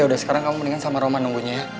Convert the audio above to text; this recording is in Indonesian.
yaudah sekarang kamu mendingan sama roman nunggunya ya